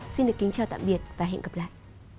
xin được kính chào tạm biệt và hẹn gặp lại